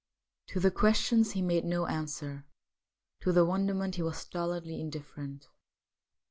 To the questions he made no answer ; to the wonderment he was stolidly indifferent.